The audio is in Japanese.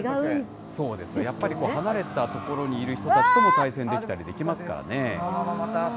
やっぱり離れた所にいる人たちとも対戦できたりできますからね。